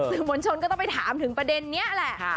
สื่อมวลชนก็ต้องไปถามถึงประเด็นนี้แหละ